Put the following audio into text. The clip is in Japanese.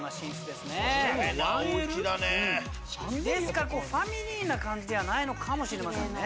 ですからファミリーな感じではないのかもしれませんね。